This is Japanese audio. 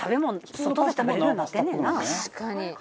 確かに。